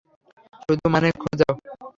শুধু মানে খোঁজো।